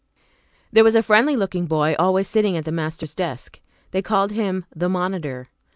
There was a friendly looking boy always sitting at the master's desk; they called him "the monitor."